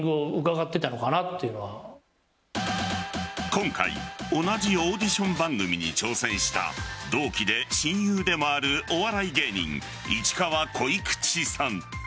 今回同じオーディション番組に挑戦した同期で親友でもあるお笑い芸人・市川こいくちさん。